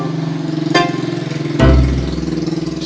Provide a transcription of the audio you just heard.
kemana punya warung